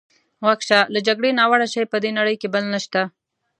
غوږ شه، له جګړې ناوړه شی په دې نړۍ کې بل نشته.